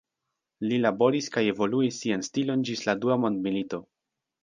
Li laboris kaj evoluis sian stilon ĝis la dua mondmilito.